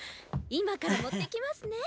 今から持ってきますね。